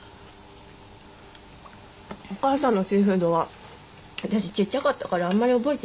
お母さんのシーフードはあたしちっちゃかったからあんまり覚えてないんだ。